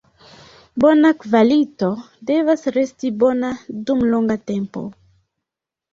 Bona kvalito devas resti bona dum longa tempo.